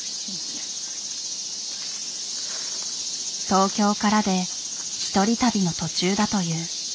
東京からで１人旅の途中だという。